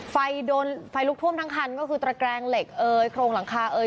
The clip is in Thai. ไฟโดนไฟลุกท่วมทั้งคันก็คือตระแกรงเหล็กเอ่ยโครงหลังคาเอย